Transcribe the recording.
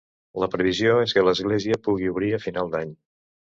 La previsió és que l’església pugui obrir a final d’any.